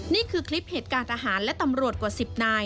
นี่คือคลิปเหตุการณ์ทหารและตำรวจกว่า๑๐นาย